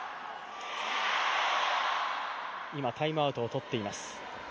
今、タイムアウトを取っています。